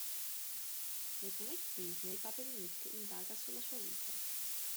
Nei fumetti Disney Paperinik indaga sulla sua vita.